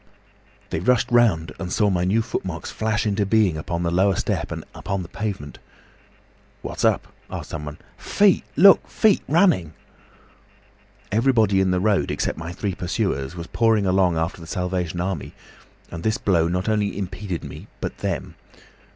"They rushed round and saw my new footmarks flash into being on the lower step and upon the pavement. 'What's up?' asked someone. 'Feet! Look! Feet running!' "Everybody in the road, except my three pursuers, was pouring along after the Salvation Army, and this blow not only impeded me but them.